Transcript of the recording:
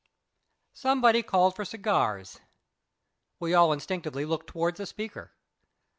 Somebody called for cigars. We all instinctively looked towards the speaker.